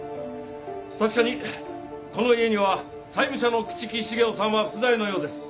確かにこの家には債務者の朽木茂雄さんは不在のようです。